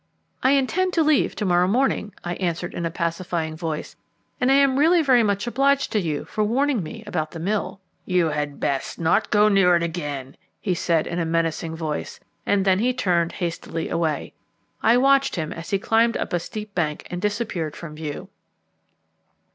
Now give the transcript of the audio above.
"I intend to leave to morrow morning," I answered in a pacifying voice, "and I am really very much obliged to you for warning me about the mill." "You had best not go near it again," he said in a menacing voice, and then he turned hastily away. I watched him as he climbed up a steep bank and disappeared from view.